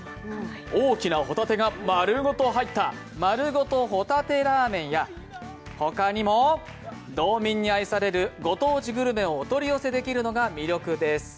大きなほたてが丸ごと入ったまるごとほたてらぁめんや、他にも道民に愛されるご当地グルメをお取り寄せできるのが魅力です。